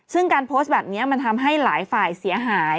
ซึ่งการโพสต์แบบนี้มันทำให้หลายฝ่ายเสียหาย